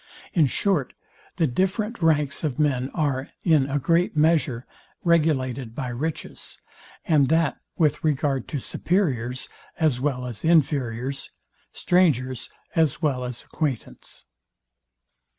In short, the different ranks of men are, in a great measure, regulated by riches, and that with regard to superiors as well as inferiors, strangers as well as acquaintance.